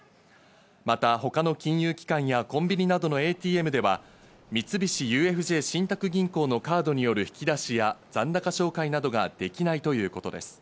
また他の金融機関やコンビニなどのＡＴＭでは三菱ＵＦＪ信託銀行のカードによる引き出しや、残高照会などができないということです。